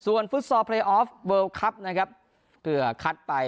ส่วนฟุตซอลบริษัทโครวคลับนะครับเกือบไป